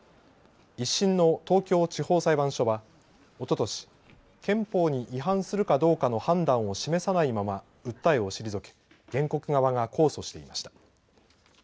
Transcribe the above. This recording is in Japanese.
１審の東京地方裁判所はおととし憲法に違反するかどうかの判断を示さないまま訴えを退け原告側が控訴していました。